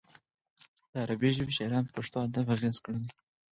د عربي ژبې شاعرانو په پښتو ادب اغېز کړی دی.